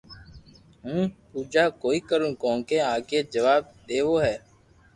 ھون پوجا ڪوئيي ڪرو ڪونڪھ آگي جواب ديوو ھي